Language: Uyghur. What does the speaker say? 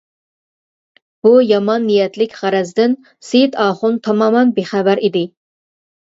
بۇ يامان نىيەتلىك غەرەزدىن سېيىت ئاخۇن تامامەن بىخەۋەر ئىدى.